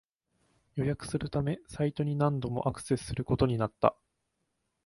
予約するためサイトに何度もアクセスすることになった